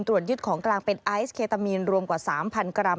ตรวจยึดของกลางเป็นไอซ์เคตามีนรวมกว่า๓๐๐กรัม